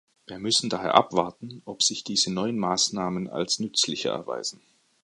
Wir müssen daher abwarten, ob sich diese neuen Maßnahmen als nützlicher erweisen.